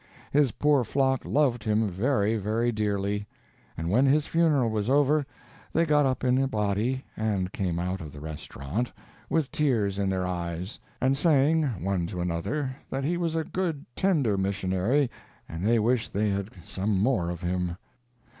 His poor flock loved him very, very dearly; and when his funeral was over, they got up in a body (and came out of the restaurant) with tears in their eyes, and saying, one to another, that he was a good tender missionary, and they wished they had some more of him.